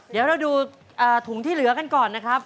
เดี๋ยวเราดูถุงที่เหลือกันก่อนนะครับ